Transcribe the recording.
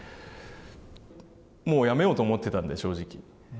もうやめようと思ってたんで、正直。